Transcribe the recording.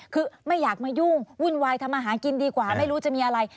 คือไม่อยากมายุ่งวุ่นวายทำอาหารกินดีกว่าไม่รู้จะมีอะไร